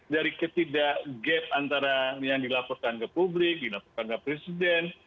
dari ketidak gap antara yang dilaporkan ke publik dilaporkan ke presiden